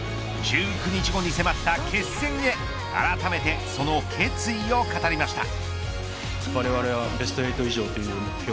１９日後に迫った決戦へあらためてその決意を語りました。